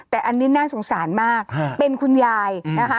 แต่อันนี้น่าสงสารมากเป็นคุณยายนะคะ